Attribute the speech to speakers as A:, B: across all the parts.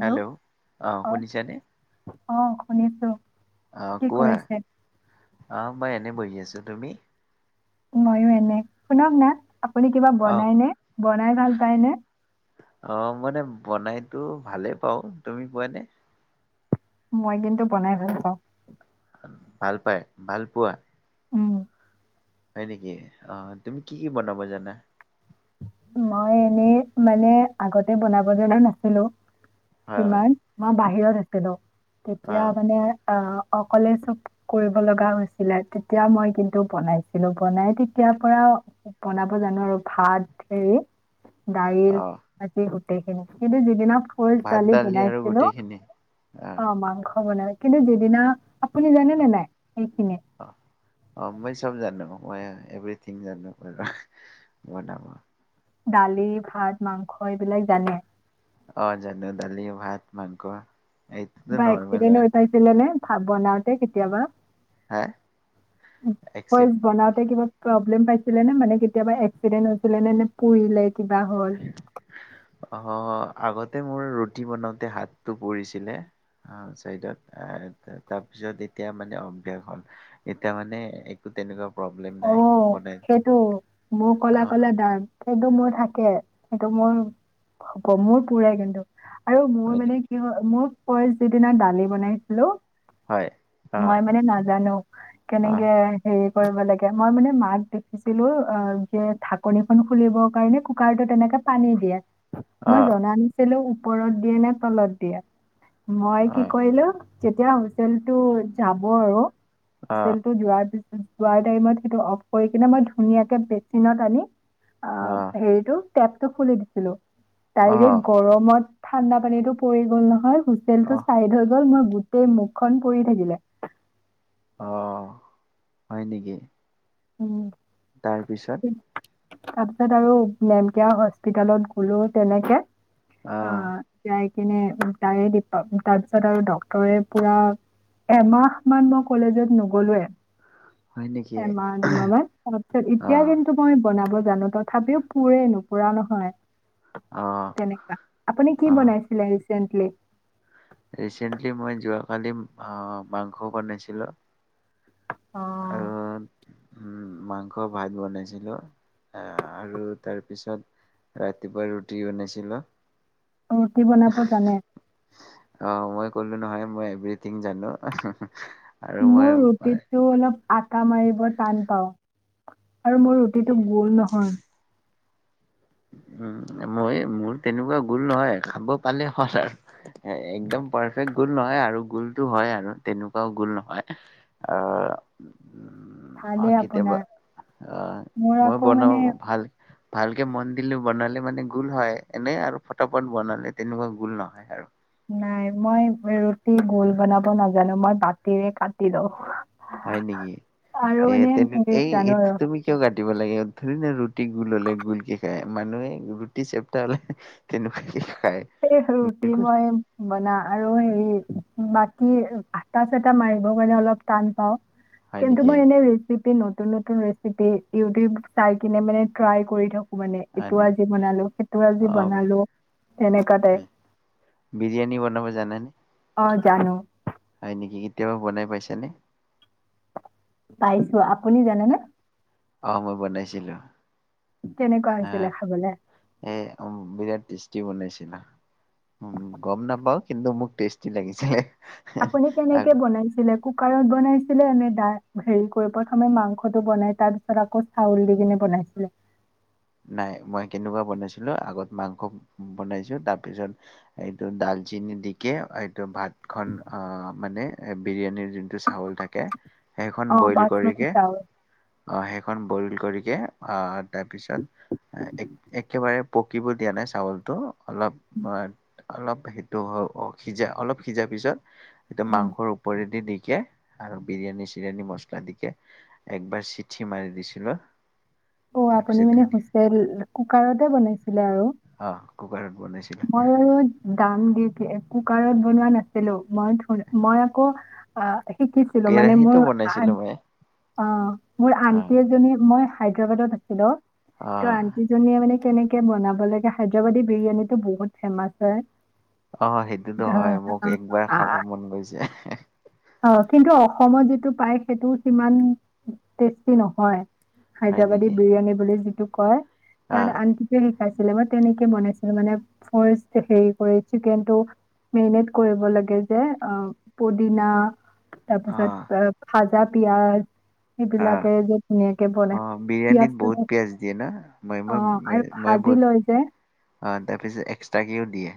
A: Hello অ' শুনিছানে?
B: অ', শুনিছোঁ।
A: অ' কোৱা। অ' মই এনে বহি আছোঁ। তুমি?
B: ময়ো এনে। শুনক না, আপুনি কিবা
A: অ
B: বনাইনে, বনাই ভাল পায় নে?
A: অ' মানে বনাইতো ভালেই পাওঁ। তুমি পোৱানে?
B: মই কিন্তু বনাই ভাল পাওঁ।
A: ভাল পাই, ভাল পোৱা?
B: উম।
A: হয় নেকি? অ', তুমি কি কি বনাবা জানা?
B: মই এনেই মানে আগতে বনাব জনা নাছিলোঁ
A: হয়
B: সিমান। মই বাহিৰত আছিলোঁ
A: অ
B: তেতিয়া মানে আ, অকলে চব কৰিব লগা হৈছিলে তেতিয়া মই কিন্তু বনাইছিলোঁ, বনাই তেতিয়াৰ পৰাও বনাব জানো আৰু ভাত হেৰি দাইল,
A: অ
B: ভাজি গোটেইখিনি কিন্তু যিদিনা ফাষ্ট
A: ভাত
B: দালি
A: আৰু
B: বনাইছিলোঁ,
A: গোটেইখিনি
B: অ' মাংস বনাই কিন্তু যিদিনা, আপুনি জানেনে নাই সেইখিনি?
A: অ', অ' মই চব জানো মই এভ্ৰিথিং জানো অ অহ বনাব।
B: দালি, ভাত, মাংস এইবিলাক জানে?
A: অ', জানো দালি, ভাত, মাংস। এইটোতো
B: কিবা
A: নৰ্মেল
B: এক্সিডেণ্ট
A: হয়
B: হৈ পাইছিলে নে? ভাত বনাওঁতে কেতিয়াবা?
A: হা
B: উ
A: এক ছেকেণ্ড।
B: হয় বনাওঁতে কিবা প্ৰব্লেম পাইছিলে নে? মানে কেতিয়াবা এক্সিডেন্ট হৈছিলে নে নে পুৰিলে কিবা হ'ল?
A: অ', আগতে মোৰ ৰুটি বনাওঁতে হাতটো পুৰিছিলে অ', চাইদত আ তা তাৰপিছত এতিয়া মানে অভ্যাস হ'ল। এতিয়া মানে একো তেনেকুৱা প্ৰব্লেম নাই
B: অ',
A: বনাই
B: সেইটো মোক ক'লা
A: অ
B: ক'লা দাগ কিন্তু মোৰ থাকে সেইটো মোৰ হ'ব মোৰ পুৰে কিন্তু আৰু মোৰ
A: হয়
B: মানে
A: নেকি
B: কি হ, মোৰ ফাৰ্ষ্ট যিদিনা দালি বনাইছিলো
A: হয় অ
B: মই মানে নাজানো
A: অ
B: কেনেকে হেৰি কৰিব লাগ গে, মই মানে মাক দেখিছিলো অ' যে ঢাকনিখন খুলিবৰ কাৰণে কুকাৰটোত এনেকে পানী দিয়ে
A: অ
B: মই জানা নাছিলো ওপৰত দিয়ে নে তলত দিয়ে, মই
A: অ
B: কি কৰিলো যেতিয়া হোষ্টেলটো যাব আৰু
A: অ
B: হোষ্টেলটো যোৱাৰ পিছত যোৱাৰ টাইমত পুৰা অফ কৰি কিনে মই ধুনীয়াকে বেচিনত আনি আ হেৰিটো পেটটো খুলি দিছিলো,
A: অ অ
B: ডাইৰেক্ট গৰমত ঠাণ্ডা পানীটো পৰি গ'ল নহয় হো
A: অ
B: তেলটো চাইড হৈ গ'ল মই গোটেই মুখখন পৰি থাকিলে।
A: অহ, হয় নেকি?
B: উম।
A: তাৰ পিছত?
B: তাৰপিছত আৰু নেম কিয়াৰ হস্পিতালত গ'লো তেনেকে। আহ যাই কিনে উম তাই [unintelligible] তাৰ পিছত আৰু ডক্টৰে পুৰা এমাহমান মই কলেজত নগলোৱে,
A: হয় নেকি
B: এমাহ তোমালৈ চবতচে
A: অ
B: এতিয়া কিন্তু মই বনাব জানো তথাপিও পোৰেই নোপুৰা নহয়।
A: অ
B: তেনেকুৱা, আপুনি কি
A: অ
B: বনাইছিলে ৰিচেন্টলি?
A: ৰিচেন্টলি মই যোৱাকালি অ মাংস বনাইছিলো। আৰু
B: অ'।
A: উম মাংস ভাত বনাইছিলো আহ আৰু তাৰ পিছত ৰাতিপুৱা ৰুটি বনাইছিলো।
B: ৰুটি বনাব জানে?
A: অ মই কলো নহয় মই এভৰিথিং জানো অহ হ।
B: মোৰ ৰুটিটো অলপ আটা মাৰিব টান পাও। আৰু মোৰ ৰুটিটো গোল নহয়।
A: উম মই মোৰ তেনেকুৱা গোল নহয়, খাব পালে হল আৰু। এ একদম পাৰফেক্ট গোল নহয় আৰু গোলটো হয় আৰু তেনেকুৱাও গোল নহয়। আৰু উম অ
B: ভালে
A: কেতিয়াবা,
B: আপোনাৰ
A: আ
B: মোৰ
A: মই
B: আকৌ
A: বনাওঁ
B: মানে
A: ভাল ভালকে মন [unintelligible] বনালে মানে গোল হয়, এনে আৰু ফটাফট বনালে তেনেকুৱা গোল নহয় আৰু।
B: নাই মই ৰুটি গোল বনাব নাজানো, মই বাতিৰে কাটি লওঁ।
A: হয় নেকি,
B: আৰু
A: এ
B: মানে
A: তেনে
B: হেৰি
A: এই
B: জানো
A: এইটো
B: আৰু
A: তুমি কিয় কাটিব লাগে, ধুৰি ন ৰুটি গোল হলে গোলকে খাই, মানুহে ৰুটি চেপটা হলে তেনেকুৱাকে খাই।
B: সেয়েহে ৰুটি মাইম বনা আৰু হেৰি বাকী আটা চাটা মাৰিব কাৰণে অলপ টান পাওঁ।
A: হয়
B: কিন্তু
A: নেকি
B: মই এনে [unintelligible] চিপি নতুন নতুন ৰেচিপি ইউটিউব চাই কিনে মানে ট্ৰাই কৰি থাকোঁ মানে
A: হয়
B: এটো
A: নেকি
B: আজি বনালোঁ সেটো
A: অ
B: আজি বনালোঁ।
A: হয়। বিৰিয়ানী বনাব জানেনে?
B: অ', জানোঁ।
A: হয় নেকি কেতিয়াবা বনাই পাইছা নে?
B: পাইছোঁ আপুনি জানেনে?
A: অ', মই বনাইছিলোঁ।
B: তেনেকুৱা হৈছিলে খাবলে?
A: এ, উম বিৰাট টেষ্টি বনাইছিলা। উম গম নাপাওঁ কিন্তু মোক টেষ্টি লাগিছিলে
B: আপুনি কেনেকে বনাইছিলে? কুকাৰত বনাইছিলে নে দা হেৰি কৰি প্ৰথমে মাংসটো বনাই তাৰপিছত আকৌ চাউল দি কিনে বনাইছিলে?
A: নাই মই কেনুকুৱা বনাইছিলোঁ আগত মাংস বনাইছোঁ তাপিছত এইটো ডালচেনি দিকে এইটো ভাতখন আ, মানে এ, বিৰিয়ানীৰ যোনটো চাউল থাক কে সেইখন
B: অ',
A: বইল
B: বাচমতি
A: কৰিকে
B: চাউল।
A: অ', সেইখন বইল কৰিকে আ, তাপিছত এ, এক একেবাৰে পকিব দিয়া নাই চাউলটো অলপ আ অলপ সেটো হ অ', সিজা অলপ সিজা পিছত সেটো
B: উম।
A: মাংসৰ ও পৰিদি দিকে আৰু বিৰিয়ানী চিৰিয়ানী মচলা দিকে একবাৰ চিঠি মাৰি দিছিলোঁ
B: অ', আপুনি মানে হুইচেল কুকাৰতে বনাইছিলে আৰু।
A: অ', কুকাৰত বনাইছিলা
B: মই বাৰু দাম দি কি এ, কুকাৰত বনোৱা নাছিলোঁ মই [unintelligible] মই আকৌ আ, শিকিছিলোঁ মানে
A: কেৰাহীটো
B: মোৰ হাচ
A: বনাইছিলো মই
B: অ', মোৰ
A: অ
B: আন্টি এজনী মই হায়দ্ৰয়াবাদত আছিলোঁ,
A: অ
B: ত' আন সিজনীয়ে মানে কেনেকে বনাব লাগে হায়দ্ৰয়াবাদী বিৰিয়ানীটো বহুত ফেমাচ হয়।
A: অ', সেইটোতো হয় মোক একবাৰ খাব
B: অ',
A: মন গৈছে।
B: অ', কিন্তু অসমত যিটো পায় সেটো সিমান টেষ্টি নহয়।
A: হয়
B: হায়দ্ৰয়াবাদী
A: নেকি
B: বিৰিয়ানী বুলি যিটো কয়,
A: অ
B: তেহেত আনকি সি শিকাইছিলে মই তেনেকে বনাইছিলোঁ মানে ফাৰ্ষ্ট হেৰী কৰি চিকেনটো মেৰিনেট কৰিব লাগে যে আ, পদিনা
A: অ
B: তাপিছত আ, ভাজা পিয়াজ
A: অ
B: এইবিলাকে যত ধুনীয়াকে বনে।
A: অ বিৰিয়ানীত বহুত পিয়াজ দিয়ে না ময়ে
B: অ
A: ময়ে
B: আৰু
A: ময়ে ময়ে
B: ভাজি
A: বহুত
B: লৈ যে
A: অ', তাপিছঅ এক্সট্ৰাকেও দিয়ে।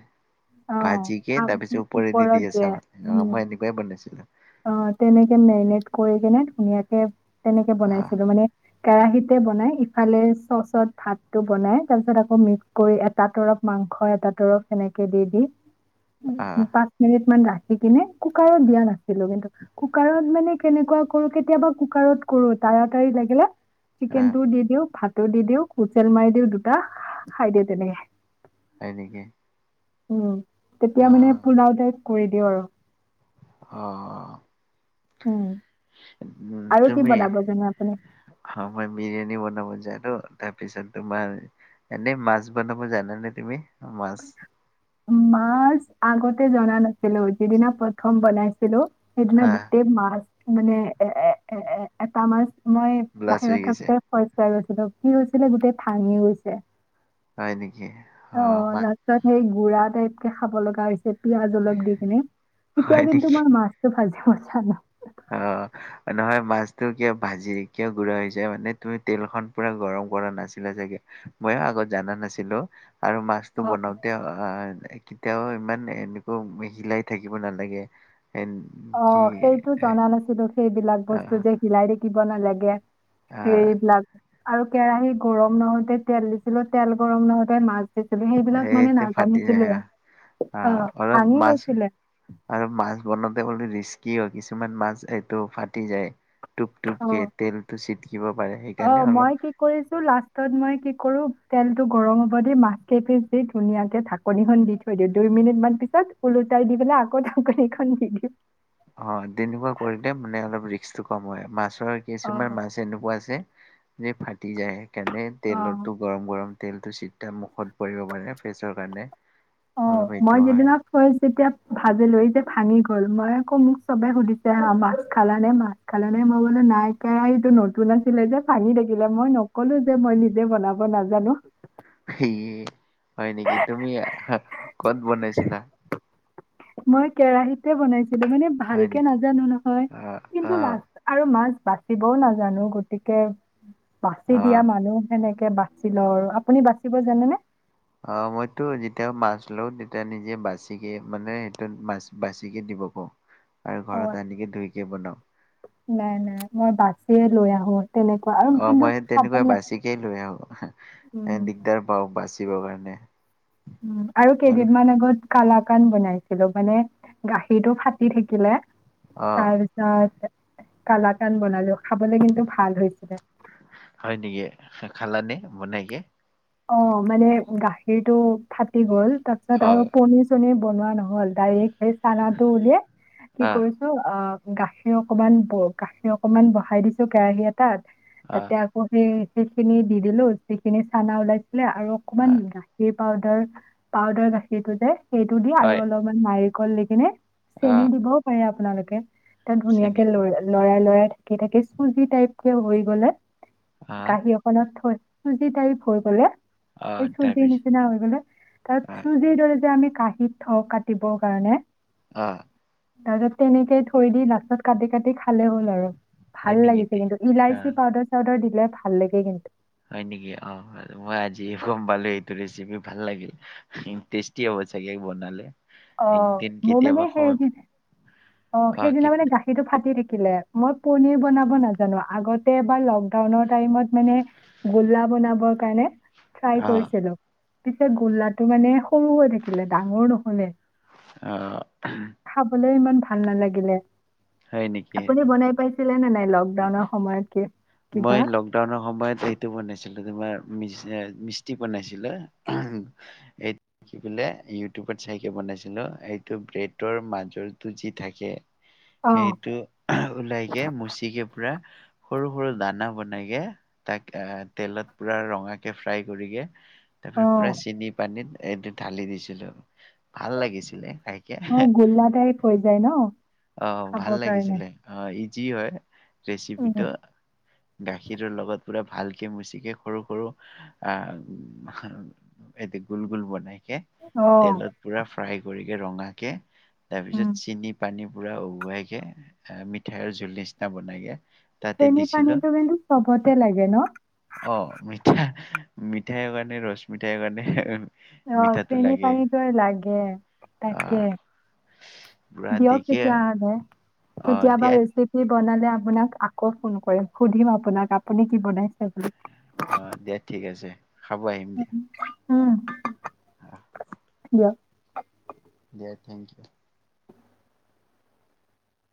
B: অ
A: ভাজিকে
B: আ-
A: তাপিছঅ ওপৰে দি
B: ওপৰত
A: দিয়ে চাবা আ,
B: উম
A: মই এনেকুৱাই বনাইছিলোঁ।
B: অ', তেনেকে মেৰিনেট কৰি কিনে ধুনীয়াকে তেনেকে
A: অ
B: বনাইছিলোঁ মানে কেৰাহীতে বনাই ইফালে চচত ভাতটো বনাই তাপিছত আকৌ মিক্স কৰি এটা তৰপ মাংস এটা তৰফ এনেক কে দি দি উ
A: অ
B: উ পাঁচ মিনিট মান ৰাখি কিনে কুকাৰত দিয়া নাছিলোঁ কিন্তু কুকাৰত মানে কেনেকুৱা কৰোঁ কেতিয়াবা কুকাৰত কৰোঁ তাৰাতাৰি লাগিলে
A: অ
B: চিকেন টো দি দিওঁ ভাত টো দি দিওঁ। হোচেল মাৰি দিওঁ দুটা, খাই দিওঁ তেনেকে।
A: হয় নেকি?
B: উম, তেতিয়া
A: অ
B: মানে পোলাও তাইপ কৰি দিওঁ আৰু।
A: অ', অ'।
B: উম।
A: উম,
B: আৰু কি
A: তুমি
B: বনাব জানে আপুনি
A: অ', মই বিৰিয়ানী বনাব জানো। তাৰপিছত তোমাৰ এনে মাছ বনাব জানানে তুমি মাছ?
B: মাছ আগতে জনা নাছিলো। যিদিনা প্ৰথম বনাইছিলো। সেইদিনা
A: আহ
B: গোটেই মাছ মানে, এ, এ এটা মাছ মই
A: ব্লাছ হৈ
B: বাহিৰত
A: গৈছে
B: থাকোতে [unintelligible] কি হৈছিলে, গোটেই ভাঙি গৈছে।
A: হয় নেকি? অ', মা
B: তাচত সেই গুড়া টাইপ কে খাব লগা হৈছে, পিয়াজ অলপ দি কিনে। তেতিয়া,
A: হয়
B: কিন্তু
A: নেকি
B: মই মাছ [unintelligible]
A: অ'। নহয় মাছতো কিয় ভাজি, কিয় গুৰা হৈ যায় মানে, তুমি তেলখন পুৰা গৰম কৰা নাছিলা চাগে। মইও আগত জানা নাছিলো, আৰু মাছটো
B: অ
A: বনাওঁতে অ' কেতিয়াও ইমান এনেকুৱ হিলাই থাকিব নালাগে। এ
B: অ', সেইটো জনা নাছিলো। সেইবিলাক বস্তু যে হিলাই থাকিব নালাগে। সেই বিলাক। আৰু কেৰাহি গৰম নওহোতে তেল দিছিলো, তেল গৰম নহোতে। [unintelligible] সেইবিলাক মানে
A: এই ফাটি যায়
B: নাজানিছিলোৱে। অ,
A: আহ অলপ
B: ভাঙি
A: মাছ
B: গৈছিলে।
A: আৰু মাছ বনাওঁতে বুলি ৰিস্কি হয়। কিছুমান মাছ এইটো ফাটি যায়। টোপ টোপকে
B: অ',
A: তেলটো ছিটিকিব পাৰে।
B: অ',
A: সেইকাণে
B: মই
A: অলপ
B: কি কৰিছো। লাষ্টত মই কি কৰো, তেলটো গৰম হব দি, মাছ কেইপিছ দি, ধুনীয়াকে ঢাকি ঢাকনিখন দি থৈ দিওঁ। দুই মিনিটমান পিছত ওলোটাই দি পেলাই আকৌ ঢাকনিখন দি দিও।
A: অ, তেনেকুৱা কৰিলে মানে অলপ ৰিক্সটো কম হয়। মাছৰ কিছুমান
B: অ',
A: মাছ তেনেকুৱা আছে, যে ফাটি যায়। সেইকাণে
B: অ'।
A: তেলৰটো গৰম গৰম তেলটো চি তিয়া মুখত পৰিব পাৰে ফেচৰ কাৰণে।
B: অ,
A: অলপ সেইটো
B: মই যিদিনা হয় যেতিয়া ভাজি লৈ যে ভাঙি গল। মই আকৌ মোক চবে সুধিছে হা মাছ খালা নে? মাছ খালা নে? মই বোলো নাই কেৰাহিটো নতুন আছিলে যে ভাঙি থাকিলে। মই নকলো যে মই নিজে বনা ব নাজানো।
A: এ, হয় নেকি? তুমি কত বনাইছিলা?
B: মই কেৰাহিতে বনাইছিলো মানে
A: হয়
B: ভালকে
A: নেকি
B: নাজানো নহয়,
A: অ অ
B: কিন্তু লাষ্ট আৰু মাছ বাচিবও নাজানো। গতিকে, বাচি
A: অ
B: দিয়া মানুহ সেনেকে বাচি লও আৰু। আপুনি বাচিব জানেনে?
A: অ, মইতো যেতিয়া মাছ লওঁ, তেতিয়া নিজে বাচিকে মানে সেইটোত মাছ বাচিকে দিব কওঁ আৰু
B: অ
A: ঘৰত আনিকে ধুইকে বনাওঁ।
B: নাই নাই। মই বাচিয়ে লৈ আহো। তেনেকুৱা আৰু কিন্তু [unintelligible]
A: কে লৈ আহো। এ
B: উম
A: দিগদাৰ পাও বাচিবৰ কাৰণে।
B: উম আৰু কেইদিনমান আগত কালাকান বনাইছিলো। মানে গাখীৰটো ফাটি থাকিলে।
A: অ
B: তাৰ [unintelligible] কালা কান বনালো। খাবলে কিন্তু ভাল হৈছিলে।
A: হয় নেকি? খালানে বনাই কে?
B: অ, মানে গাখীৰটো ফাটি গ'ল তাৰপিছত আৰু
A: হয়
B: পনিছ ছনিৰ বনোৱা নহ'ল দাইৰেক সেই চানাটো উলিয়াই কি
A: আহ
B: কৰি টো অ, গাখীৰ অকমান ব গাখীৰ অকমান বহাই দিছো কেৰাহি এটাত
A: আহ
B: তাতে আ পনীৰ সিখিনি দি দিলোঁ যিখিনি চানা ওলাইছিলে আৰু অকমান
A: আহ
B: গাখীৰ পাউদাৰ-পাউদাৰ গাখীৰটো যে সেইটো দি আৰু
A: হয়
B: অলপমান নাৰিকল দি কিনে চেনি
A: আহ
B: দিবও পাৰে আপোনালোকে ত'
A: চেনি
B: ধুনীয়াকে লৰা-লৰাই-লৰাই থাকি থাকে চুজি টাইপ- তে হৈ গলে
A: আহ
B: কাঁহী এখনত থৈ চুজি টাইপ হৈ গ'লে
A: আহ
B: এই চুজি
A: তাৰপিছত
B: নিচিনা হৈ গ'লে তাত
A: আহ
B: চুজ সেইদৰে যে আমি কাঁহীত থওঁ কাটিব কাৰণে
A: আ,
B: [unintelligible] তেনেকে থৈ দি লাষ্টত কাটি-কাটি খালে হ'ল। [unintelligible]
A: হয়
B: ভাল
A: নেকি
B: লাগিছে
A: তে?
B: কিন্তু
A: আহ
B: ইলাইচি পাউডাৰ-চাউদাৰ দিলে ভাল লাগে কিন্তু।
A: হয় নেকি অ, এইটো মই আজিয়ে গম পালোঁ এইটো ৰেচিপি ভাল লাগিল ইমটেজ টি হব চাগে বনালে
B: অ
A: একদিন
B: মোৰ মানে
A: কেতিয়াবা সময় পালে
B: সেইদিনা অ, সেইদিনা মানে গা খীৰটো ফাটি থাকিলে মই পনীৰ বনাব নাজানো আগতে এবাৰ লকডাউনৰ টাইমত মানে গোল্লা বনাবৰ কাৰণে ট্ৰাই
A: আহ
B: কৰিছিলোঁ পিছে গোল্লাটো মানে সৰু হৈ থাকিলে ডাঙৰ নহ'লে
A: অ, [unintelligible]
B: খাবলৈ ইমান ভাল নালাগিলে
A: হয় নেকি
B: আপুনি বনাই পাইছিলে নে নাই লগ লকডাউনৰ সময়ত কে
A: মই
B: কিবা?
A: লকডাউনৰ সময়ত সেইটো বনাইছিলোঁ তোমাৰ মিচ-মিস্তি বনাইছিলে এইট কি বোলে ইউটিউবত চাইকে বনাইছিলোঁ এইটো ব্ৰেডৰ মাজৰটো যি থাকে
B: অ
A: সেইটো উলাইকে মুচিকে পুৰা সৰু-সৰু দানা বনাইকে তাক এ তেলত পুৰা ৰঙাকে ফ্ৰাই কৰিগে
B: অ
A: তাৰপৰা পুৰা চেনি পানীত এইটো ঢালি দিছিলোঁ
B: অ, গোল্লা টাইপ হৈ যায় ন?
A: অ, ভাল
B: খাবৰ কাৰণে।
A: লাগিছিলে অ, ইজি হয় ৰেচিপিটো।
B: উম
A: গাখীৰৰ লগত পুৰা ভালকে মুচিকেই সৰু-সৰু আহ এইটো গোল-গোল বনাইকে
B: অহ
A: তেলত পুৰা ফ্ৰাই কৰিকে ৰঙাকে তাৰপিছত
B: উম।
A: চেনি পানী পুৰা উহোৱাইকে অ, মিঠাইৰ জোল নিচিনা বনাইগে
B: চেনি পানীটো কিন্তু চবতে লাগে ন'?
A: অ, মিঠা- মিঠাইৰ মানে ৰছ মিঠাই মানে
B: অ, চেনি পানীটো আৰু লাগে
A: আহ
B: তাকে
A: পুৰা দি
B: তেতিয়া আনে কেতিয়াবা এইচ [unintelligible] বনালে আপোনাক আকৌ ফোন কৰিম সুধিম আপোনাক আপুনি কি বনাইছে বুলি?
A: হয় দিয়া ঠিক আছে। খাব আহিম দিয়া
B: [unintelligible] হম।
A: [inaudible] [unintelligible]